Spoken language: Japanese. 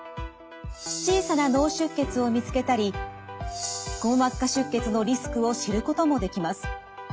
小さな脳出血を見つけたりくも膜下出血のリスクを知ることもできます。